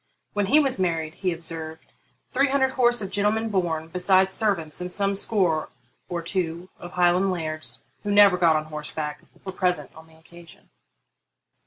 'When he was married,' he observed,'three hundred horse of gentlemen born, besides servants, and some score or two of Highland lairds, who never got on horseback, were present on the occasion.'